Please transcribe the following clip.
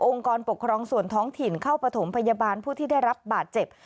กรปกครองส่วนท้องถิ่นเข้าประถมพยาบาลผู้ที่ได้รับบาดเจ็บ